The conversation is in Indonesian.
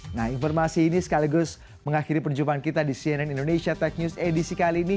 nah informasi ini sekaligus mengakhiri perjumpaan kita di cnn indonesia tech news edisi kali ini